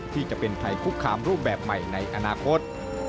ที่จะเป็นภัยคุกคามรูปแบบใหม่ในอนาคต